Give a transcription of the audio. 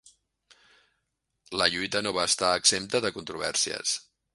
La lluita no va estar exempta de controvèrsies.